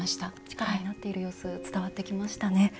力になっている様子伝わってきましたね。